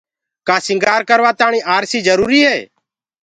ڪآ سيٚگآر ڪروآ تآڻيٚ آرسيٚ جروُريٚ هي